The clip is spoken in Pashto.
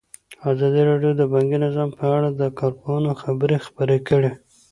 ازادي راډیو د بانکي نظام په اړه د کارپوهانو خبرې خپرې کړي.